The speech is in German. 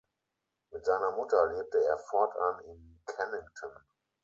Mit seiner Mutter lebte er fortan in Kennington.